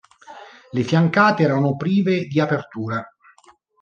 Le fiancate erano prive di aperture.